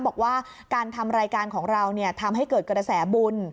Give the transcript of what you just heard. บอกว่าการทำรายการของเราทำให้เกิดกระแสบุญ